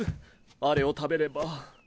あれを食べれば。